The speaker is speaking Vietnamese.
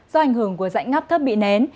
do ảnh hưởng của dãy ngắp thấp bị nén